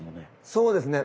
そうですね。